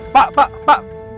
pak pak pak